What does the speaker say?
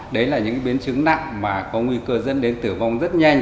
đấy là những biến chứng nặng mà có nguy cơ dẫn đến tử vong rất nhanh